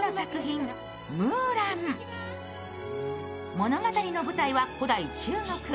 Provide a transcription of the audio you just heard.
物語の舞台は古代中国。